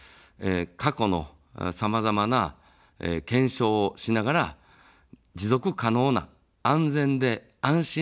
過去のさまざまな検証をしながら持続可能な安全で安心して住める日本をつくる。